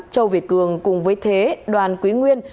châu việt cường cùng với thế đoàn quý nguyên